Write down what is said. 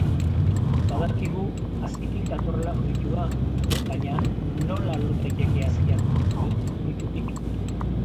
Badakigu hazitik datorrela fruitua, baina nola lor daitezke haziak fruitutik?